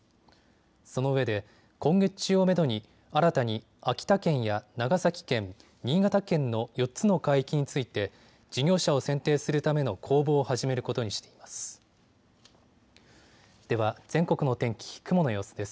そのうえで今月中をめどに新たに秋田県や長崎県、新潟県の４つの海域について事業者を選定するための公募を始めることにしています。